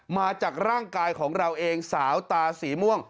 มาจากร่างกายของเราเองสาวตาสีม่วง